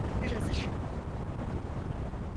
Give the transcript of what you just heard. Biraz işim vardı.